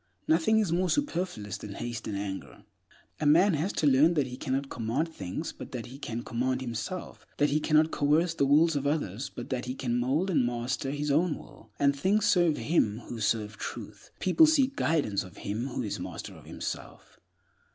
Nothing is more superfluous than haste and anger. A man has to learn he cannot command things, but that he can command himself; that he cannot coerce the wills of others, but that he can mold and master his own will: and things serve him who serve Truth. People seek guidance of him who is master of himself.